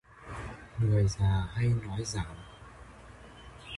Người già hay nói rảm